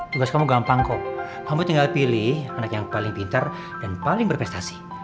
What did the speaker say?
tugas kamu gampang kok kamu tinggal pilih anak yang paling pintar dan paling berprestasi